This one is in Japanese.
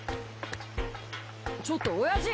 ちょっとおやじ！